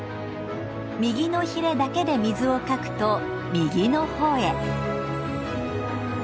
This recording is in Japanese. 右のひれだけで水をかくと右のほうへ。